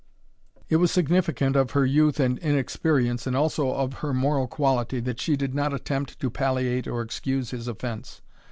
It was significant of her youth and inexperience, and also of her moral quality, that she did not attempt to palliate or excuse his offence.